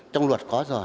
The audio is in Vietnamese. trong luật có rồi